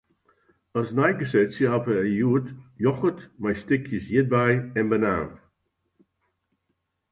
As neigesetsje hawwe wy hjoed yochert mei stikjes ierdbei en banaan.